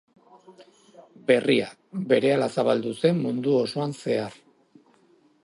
Berria, berehala zabaldu zen mundu osoan zehar.